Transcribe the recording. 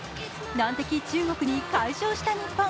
難敵中国に快勝した日本。